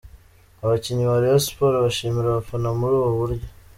Abakinnyi ba Rayon Sports bashimira abafana muri ubu buryo.